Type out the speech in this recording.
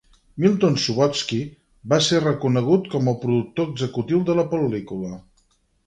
Milton Subotsky va ser reconegut com el productor executiu de la pel·lícula.